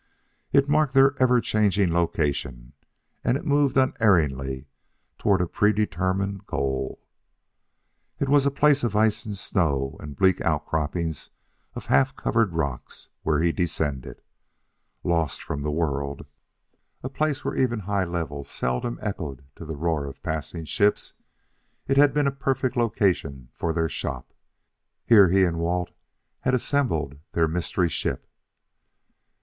It marked their ever changing location, and it moved unerringly toward a predetermined goal. It was a place of ice and snow and bleak outcropping of half covered rocks where he descended. Lost from the world, a place where even the high levels seldom echoed to the roar of passing ships, it had been a perfect location for their "shop." Here he and Walt had assembled their mystery ship.